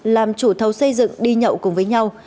làm chủ thầu xây dựng đi nhậu cùng với nhau